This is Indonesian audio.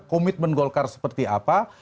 komitmen golkar seperti apa